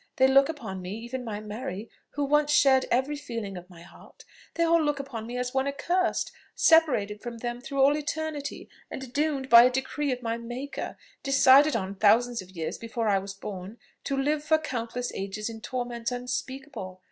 They look upon me, even my Mary, who once shared every feeling of my heart, they all look upon me as one accursed, separated from them through all eternity, and doomed by a decree of my Maker, decided on thousands of years before I was born, to live for countless ages in torments unspeakable.